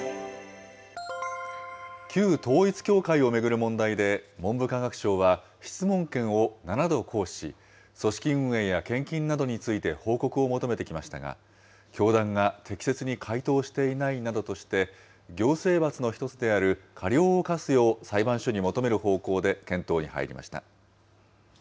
旧統一教会を巡る問題で、文部科学省は質問権を７度行使し、組織運営や献金などについて報告を求めてきましたが、教団が適切に回答していないなどとして、行政罰の一つである過料を科すよう、裁判所に求める方向で検討に入りました。